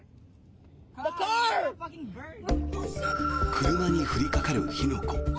車に降りかかる火の粉。